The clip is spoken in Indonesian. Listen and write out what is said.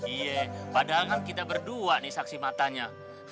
iya padahal kan kita berdua nih saksi matanya